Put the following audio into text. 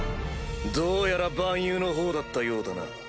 どうやら蛮勇のほうだったようだな。